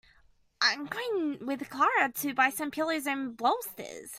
I'm going with Clara to buy some pillows and bolsters.